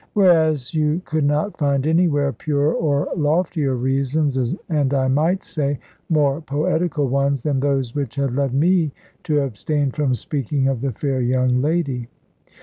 Whereas you could not find anywhere purer or loftier reasons, and I might say, more poetical ones, than those which had led me to abstain from speaking of the fair young lady.